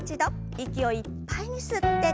息をいっぱいに吸って。